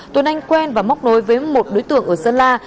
tuấn anh quen và móc nối với một đối tượng ở sơn la